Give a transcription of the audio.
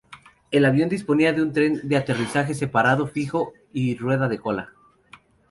El avión disponía de tren de aterrizaje separado fijo y rueda de cola.